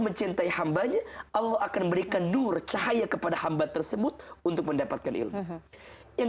mencintai hambanya allah akan memberikan nur cahaya kepada hamba tersebut untuk mendapatkan ilmu yang